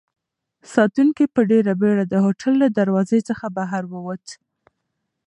ساتونکی په ډېرې بېړه د هوټل له دروازې څخه بهر ووت.